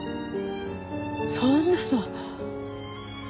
そんなの。